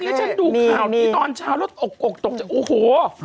วันนี้ฉันดูข่าวที่ตอนเช้าแล้วตกโอ้โฮ